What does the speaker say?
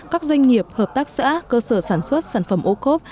các doanh nghiệp hợp tác xã cơ sở sản xuất sản phẩm ocob